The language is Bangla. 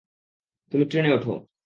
তুমি ট্রেনে উঠো।